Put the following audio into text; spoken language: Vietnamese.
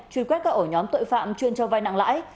truy quét các ổ nhóm tội phạm chuyên cho vai nặng lãi